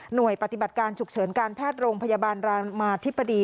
โดยปฏิบัติการฉุกเฉินการแพทย์โรงพยาบาลรามาธิบดี